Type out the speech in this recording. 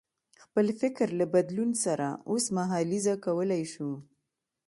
خپل فکر له بدلون سره اوسمهالیزه کولای شو.